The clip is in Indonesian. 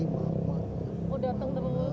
oh datang terus